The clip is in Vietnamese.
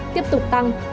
tiếp tục tăng